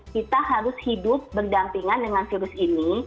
kita harus hidup berdampingan dengan virus ini